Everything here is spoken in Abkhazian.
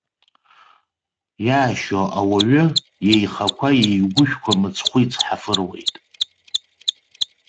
Иаашьо ауаҩы, иеихақәа, иеигәышәқәа мыцхәы ицҳафыруеит.